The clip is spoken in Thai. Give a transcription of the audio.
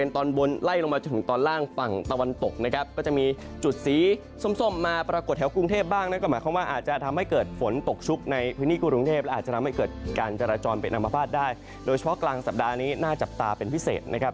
โดยเฉพาะกลางสัปดาห์นี้หน้าจับตาเป็นพิเศษนะครับ